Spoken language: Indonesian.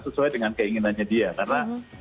sesuai dengan keinginannya dia karena